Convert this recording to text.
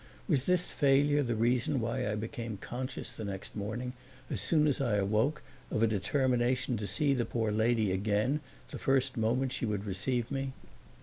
Was this failure the reason why I became conscious the next morning as soon as I awoke of a determination to see the poor lady again the first moment she would receive me?